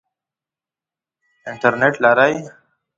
انټرنټ لرئ؟